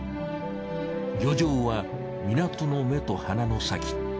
漁場は港の目と鼻の先。